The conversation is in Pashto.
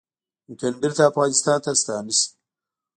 ممکن بیرته افغانستان ته ستانه شي